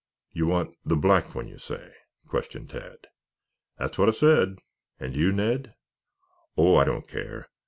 "You want the black one, you say?" questioned Tad. "That's what I said." "And you, Ned?" "Oh, I don't care.